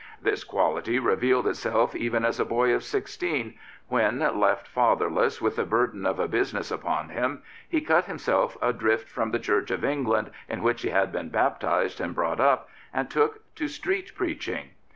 This quality revealed itself even as a boy of sixteen, when, left fatherless with the burden of a business upon him, he cut him self adrift from the Church of England, in which he had been baptised and brought up, and took to street preaching.